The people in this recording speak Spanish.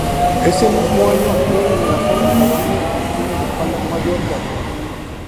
Ese mismo año actuaron en la sala "Jardines Virginia de Palma de Mallorca.